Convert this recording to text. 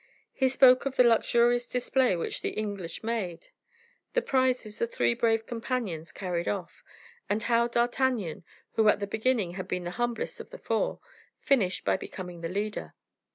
He spoke of the luxurious display which the English made; the prizes the three brave companions carried off; and how D'Artagnan, who at the beginning had been the humblest of the four, finished by becoming the leader.